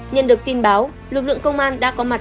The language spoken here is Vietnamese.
nhận được tin báo lực lượng công an đã có mặt